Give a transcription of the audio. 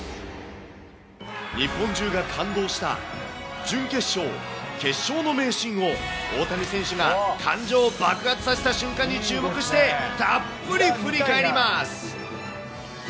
日本中が感動した準決勝、決勝の名シーンを、大谷選手が感情を爆発させた瞬間に注目してたっぷり振り返ります。